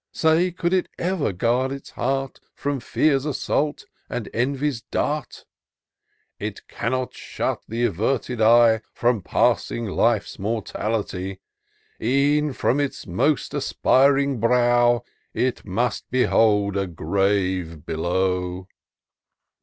Say, could it ever guard its heart From Fear's assault, and Envy's dart ? It cannot shut th' averted eye From passing life's mortality : E'en from its most aspiring brow, It must behold a grave below.